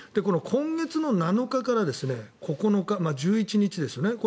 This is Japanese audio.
今月の７日から９日１１日ですよね